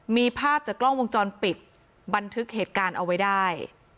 มีภาพจากกล้องวงจรปิดบันทึกเหตุการณ์เอาไว้ได้